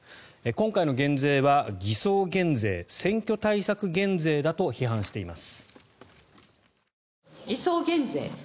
今回の減税は偽装減税、選挙対策減税だと批判しています。